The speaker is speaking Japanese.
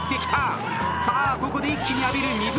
さあここで一気に浴びる水しぶき。